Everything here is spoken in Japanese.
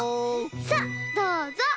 さあどうぞ！